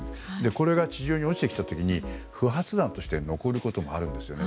これが地上に落ちてきた時に不発弾として残ることもあるんですよね。